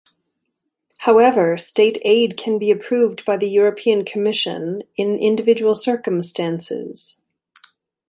However state aid can be approved by the European Commission in individual circumstances.